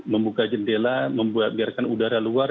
membuka jendela membiarkan udara luar